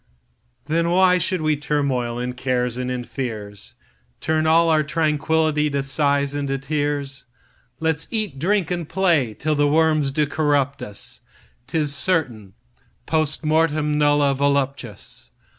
Then why should we turmoil in cares and in fears, Turn all our tranquill'ty to sighs and to tears? Let's eat, drink, and play till the worms do corrupt us,'Tis certain, Post mortemNulla voluptas.